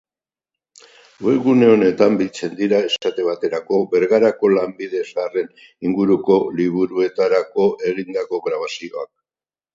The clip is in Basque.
Webgune honetan biltzen dira, esate baterako, Bergarako lanbide zaharren inguruko liburuetarako egindako grabazioak.